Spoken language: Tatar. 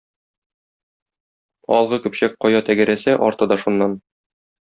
Алгы көпчәк кая тәгәрәсә, арты да шуннан.